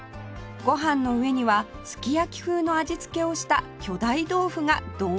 ご飯の上にはすき焼き風の味付けをした巨大豆腐がドーンと鎮座